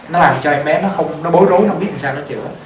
nó làm cho em bé nó bối rối không biết làm sao nó chữa